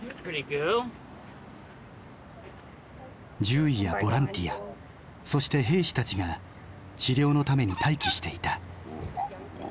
獣医やボランティアそして兵士たちが治療のために待機していた。